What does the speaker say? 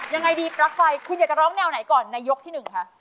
ยังไงดีปลั๊กไฟคุณอยากจะร้องแนวไหนก่อนในยกที่๑คะ